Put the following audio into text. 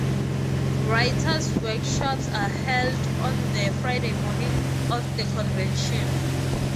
Writers' workshops are held on the Friday morning of the convention.